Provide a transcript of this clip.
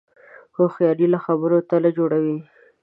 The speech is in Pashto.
هوښیار له خبرو تله جوړوي